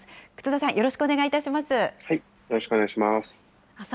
忽那さん、よろしくお願いいたします。